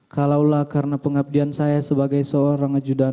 kalaulah karena pengabdian saya sebagai seorang ajudan